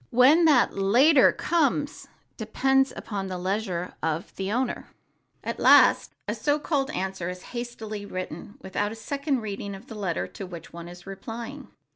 When that "later" comes depends on the leisure of the owner. At last a so called answer is hastily written without a second reading of the letter to which one is replying.